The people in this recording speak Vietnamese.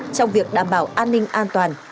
trong việc đảm bảo an ninh an toàn